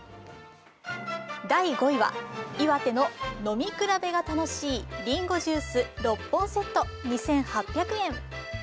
第５位は、岩手の飲み比べが楽しいりんごジュース６本セット２８００円。